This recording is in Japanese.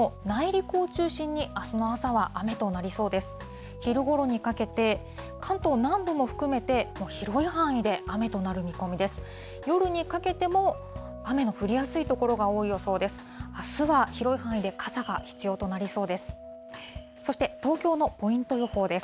夜にかけても、雨の降りやすい所が多い予想です。